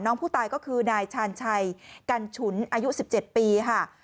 น้องผู้ตายก็คือนายชาญชัยกันฉุนอายุ๑๗ปีค่ะ